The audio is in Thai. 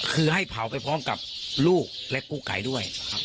คือให้เผาไปพร้อมกับลูกและกู้ไก่ด้วย